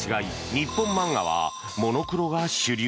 日本漫画はモノクロが主流。